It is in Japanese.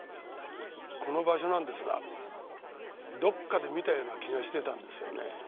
この場所なんですがどっかで見たような気がしてたんですよね。